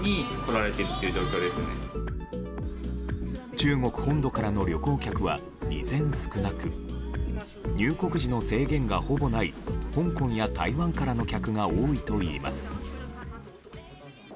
中国本土からの旅行客は依然、少なく入国時の制限がほぼない香港や台湾からの客が多いといいます。